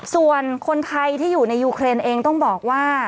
ส่วนคนไทยที่อยู่ในยูเครนเองต้องบอกว่า